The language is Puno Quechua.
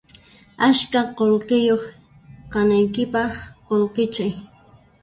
Askha qullqiyuq kanaykipaq qullqichay